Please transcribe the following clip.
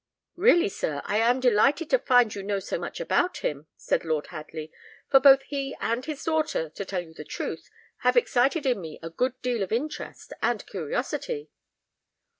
"Really, sir, I am delighted to find you know so much about him," said Lord Hadley; "for both he and his daughter, to tell you the truth, have excited in me a good deal of interest and curiosity."